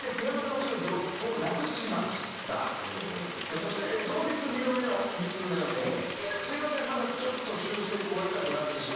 そして同日２度目の２通目のメールです。